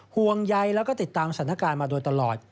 ห่วงใยแล้วก็ติดตามสถานการณ์มาโดยตลอด